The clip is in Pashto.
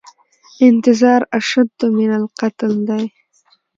انتظار اشد من القتل دی